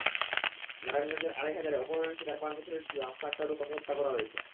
নারায়ণগঞ্জের আড়াইহাজারে অপহরণের শিকার পাঁচ বছরের শিশু হাফসা আক্তার রূপাকে হত্যা করা হয়েছে।